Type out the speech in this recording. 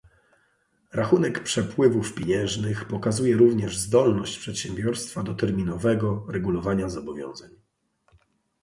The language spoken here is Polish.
Rachunek przepływów pieniężnych pokazuje również zdolność przedsiębiorstwa do terminowego regulowania zobowiązań.